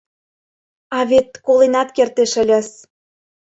А вет коленат кертеш ыльыс.